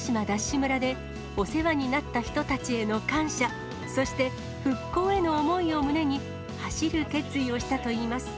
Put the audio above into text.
村でお世話になった人たちへの感謝、そして復興への想いを胸に走る決意をしたといいます。